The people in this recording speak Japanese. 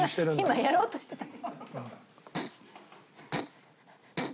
今やろうとしてた。